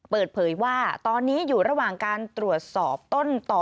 เปิดเผยว่าตอนนี้อยู่ระหว่างการตรวจสอบต้นต่อ